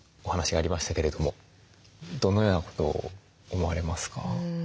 ありましたけれどもどのようなことを思われますか？